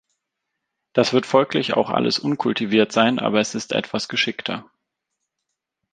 Das wird folglich auch alles unkultiviert sein, aber es ist etwas geschickter.